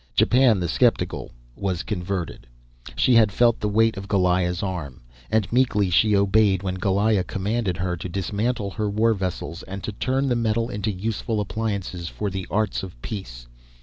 Japan the sceptical was converted. She had felt the weight of Goliah's arm. And meekly she obeyed when Goliah commanded her to dismantle her war vessels and to turn the metal into useful appliances for the arts of peace.